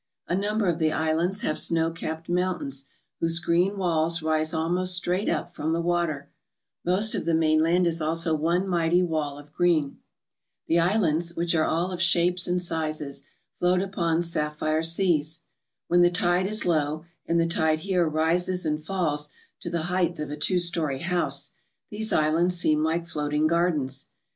A number of the islands have snow capped mountains whose green walls rise almost straight up from the water* Most of the mainland is also one mighty wall of green. The islands, which are of all shapes and sizes, float upon sapphire seas." ^hen the tide is low and the tide here rises and falls to the height of a two story house these islands seem like floating gardens.